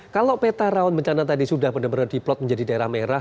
kalau peta rawan bencana tadi sudah benar benar diplot menjadi daerah merah